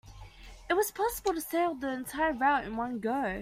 It was possible to sail the entire route in one go.